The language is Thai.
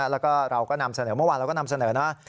แล้วก็เราก็นำเสนอเมื่อวานเราก็นำเสนอนะ